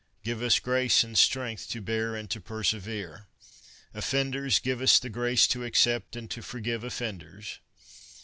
' Give us grace and strength to bear and to per severe. Offenders, give us the grace to accept and to forgive offenders.